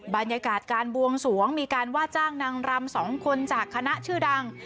บรรยากาศการบวงสวงมีการว่าจ้างนางรำ๒คนจากคณะชื่อดัง